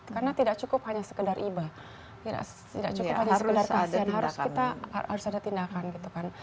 karena tidak cukup hanya sekedar iba tidak cukup hanya sekedar kasihan harus kita harus ada tindakan gitu kan